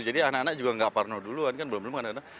jadi anak anak juga nggak parno duluan kan belum belum kan anak anak